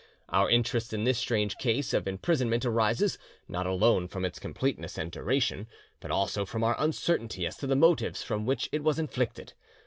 Our interest in this strange case of imprisonment arises, not alone from its completeness and duration, but also from our uncertainty as to the motives from which it was inflicted.